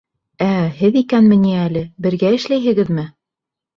— Ә-ә, һеҙ икәүме ни әле, бергә эшләйһегеҙме?